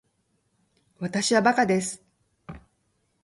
わたしはバカです